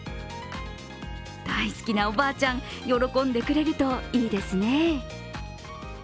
大好きなおばあちゃん、喜んでくれるといいですね。